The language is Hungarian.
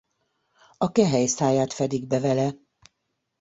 A kehely száját fedik be vele.